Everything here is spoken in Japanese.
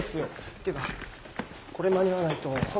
っていうかこれ間に合わないと本当に僕。